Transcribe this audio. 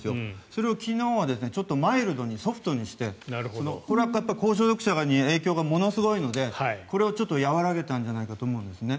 それを昨日はマイルドに、ソフトにしてこれは高所得者に影響がものすごいので和らげたんじゃないかと思うんですね。